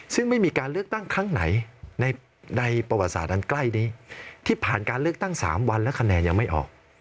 ซึ่งไม่มีการเลือกตั้งครั้งไหนในประวัติศาสตร์อันใกล้นี้ที่ผ่านการเลือกตั้ง๓วันแล้วคะแนนยังไม่ออก